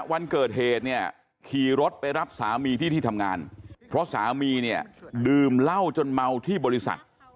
วันเกิดเหตุเนี่ยขี่รถไปรับสามีที่ที่ทำงานเพราะสามีเนี่ยดื่มเหล้าจนเมาที่บริษัท